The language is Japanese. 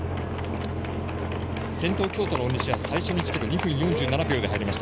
先頭、京都の大西は２分４７秒で入りました。